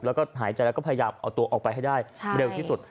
แล้วก็หายใจแล้วก็พยายามเอาตัวออกไปให้ได้เร็วที่สุด